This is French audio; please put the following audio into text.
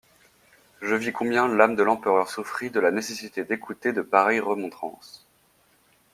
Je vis combien l'âme de l'empereur souffrit de la nécessité d'écouter de pareilles remontrances.